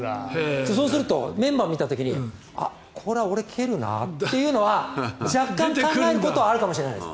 そうするとメンバーを見た時にこれは俺、蹴るなというのは若干、考えることはあるかもしれないです。